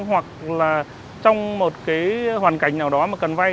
hoặc là trong một cái hoàn cảnh nào đó mà cần vay